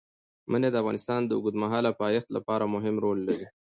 منی د افغانستان د اوږدمهاله پایښت لپاره مهم رول لري.